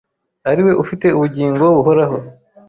ari we ufite ubugingo buhoraho.